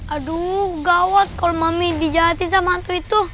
aduh gawat kalo mami di jahatin sama hantu itu